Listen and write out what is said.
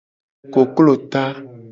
Koklo ta.